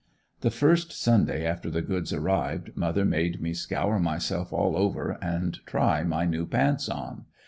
The first Sunday after the goods arrived mother made me scour myself all over and try my new pants on.